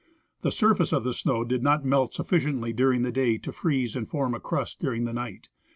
The surface of the snow did not melt sufficiently during the day to freeze and form a crust during the night.